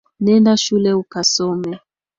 Nenda shule ukasome